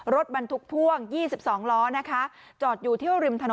รถบรรทุกพ่วงนะคะจอดอยู่ที่อาดน